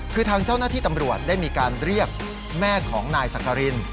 คือทางเจ้าหน้าที่ตำรวจได้มีการเรียกแม่ของนายสักกริน